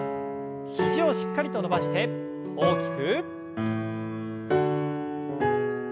肘をしっかりと伸ばして大きく。